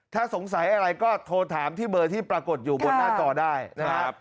ถ้าสงสัยอะไรก็โทรถามที่เบอร์ที่ปรากฏอยู่บนหน้าจอได้นะครับ